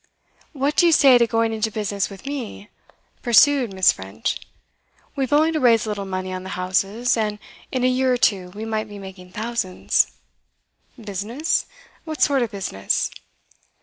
'What do you say to going into business with me?' pursued Miss French. 'We've only to raise a little money on the houses, and in a year or two we might be making thousands.' 'Business? What sort of business?